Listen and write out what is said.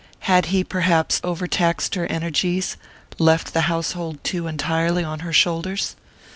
Had he perhaps over taxed her energies, left the household too entirely on her shoulders?